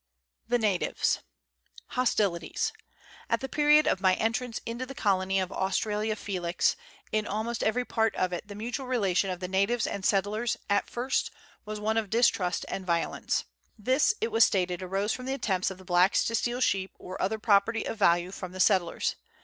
THE NATIVES. Hostilities. At the period of my entrance into the colony of Australia Felix, in almost every part of it the mutual relation of the natives and settlers, at first, was one of distrust and violence. This, it was stated, arose from the attempts of the blacks to steal sheep, or other property of value, from the settlers.